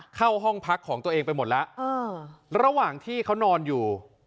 เข้าห้องพักของตัวเองไปหมดแล้วระหว่างที่เขานอนอยู่